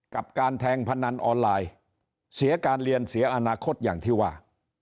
กับการแทงพนันออนไลน์เสียการเรียนเสียอนาคตอย่างที่ว่า